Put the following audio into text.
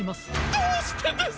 どうしてです！？